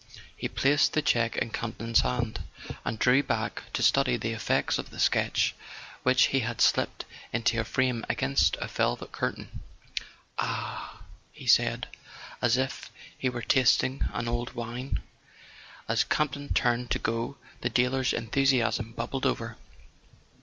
He placed the cheque in Campton's hand, and drew back to study the effect of the sketch, which he had slipped into a frame against a velvet curtain. "Ah " he said, as if he were tasting an old wine. As Campton turned to go the dealer's enthusiasm bubbled over.